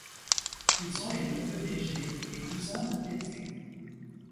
Ils sont les neveux d'Egée, les cousins de Thésée.